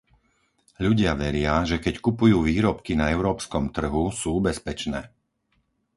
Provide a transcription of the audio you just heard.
Ľudia veria, že keď kupujú výrobky na európskom trhu, sú bezpečné.